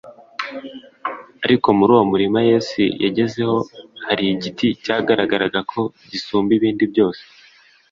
’ ariko muri uwo murima yesu yagezeho, hari igiti cyagaragaraga ko gisumba ibindi byose